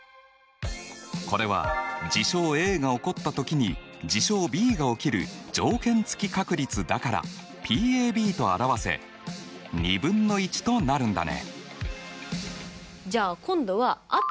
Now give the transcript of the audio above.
これは事象Ａが起こった時に事象Ｂが起きる条件付き確率だからＰと表せ２分の１となるんだね。